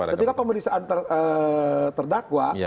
ketika pemeriksaan terdakwa